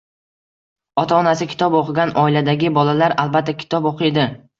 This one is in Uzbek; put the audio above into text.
Ota-onasi kitob o‘qigan oiladagi bolalar, albatta, kitob o‘qiydi.